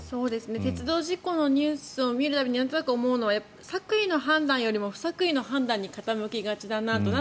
鉄道事故のニュースを見る度に、なんとなく思うのは作為の判断よりも不作為の判断に傾きがちだなと。